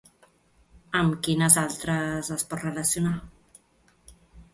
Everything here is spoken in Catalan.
Amb quines altres es pot relacionar?